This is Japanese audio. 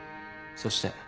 そして。